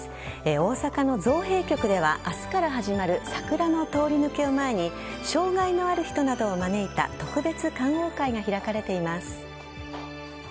大阪の造幣局では明日から始まる桜の通り抜けを前に障害のある人などを招いた特別観桜会が開かれています。